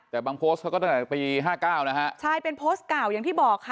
แต่บางโพสต์เขาก็ตั้งแต่ปีห้าเก้านะฮะใช่เป็นโพสต์เก่าอย่างที่บอกค่ะ